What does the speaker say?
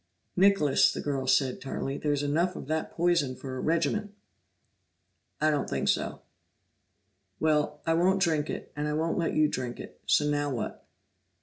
"Nicholas," said the girl tartly, "there's enough of that poison for a regiment." "I don't think so." "Well, I won't drink it, and I won't let you drink it! So now what?"